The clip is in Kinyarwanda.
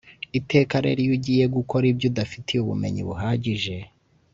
Iteka rero iyo ugiye gukora ibyo udafitiye ubumenyi buhagije